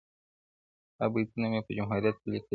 • دا بیتونه مي په جمهوریت کي لیکلي و,